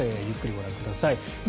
ゆっくりご覧ください。